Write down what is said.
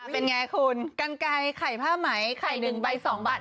เป็นอย่างไรคุณกันไก่ไข่ผ้าไหมไข่หนึ่งใบ๒บาท๕๐